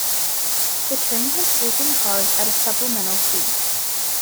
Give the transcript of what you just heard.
The train had sleeping cars at a supplemental fee.